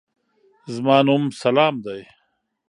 زما نوم سلام دی.